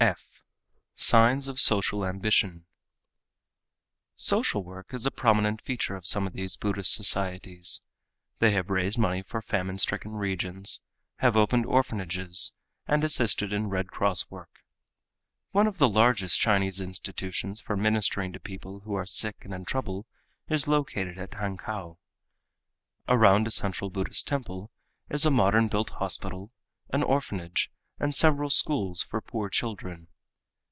(f) Signs of Social Ambition.—Social work is a prominent feature of some of these Buddhist societies. They have raised money for famine stricken regions, have opened orphanages, and assist in Red Cross work. One of the largest Chinese institutions for ministering to people who are sick and in trouble is located at Hankow. Around a central Buddhist temple is a modern built hospital, an orphanage and several schools for poor children.